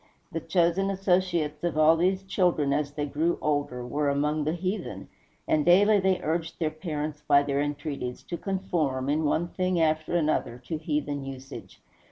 The chosen associates of all these children, as they grew older, were among the heathen; and daily they urged their parents, by their entreaties, to conform, in one thing after another, to heathen usage.